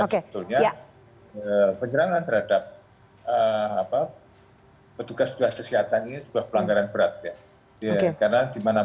dan sebetulnya penyerangan terhadap petugas petugas kesehatan ini juga pelanggaran berat ya